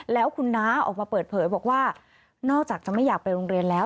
แล้วคุณน้าออกมาเปิดเผยบอกว่านอกจากจะไม่อยากไปโรงเรียนแล้ว